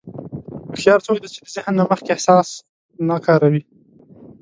هوښیار څوک دی چې د ذهن نه مخکې احساس نه کاروي.